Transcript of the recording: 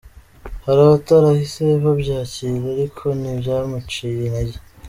Hari abatarahise babyakira ariko ntibyamuciye intege.